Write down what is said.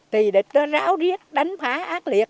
hạnh phúc máu